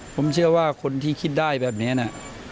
ผมเชื่อว่าคนที่คิดได้แบบนี้นะ